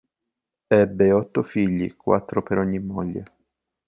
Ebbe otto figli, quattro per ogni moglie.